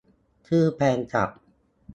ชื่อแฟนคลับ